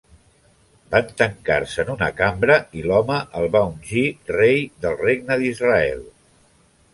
Van tancar-se en una cambra i l'home el va ungir rei del Regne d'Israel.